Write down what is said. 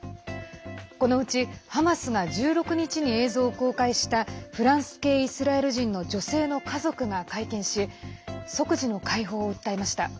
このうち、ハマスが１６日に映像を公開したフランス系イスラエル人の女性の家族が会見し即時の解放を訴えました。